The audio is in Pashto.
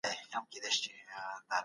غاښونه یې روغ پاتې کیږي.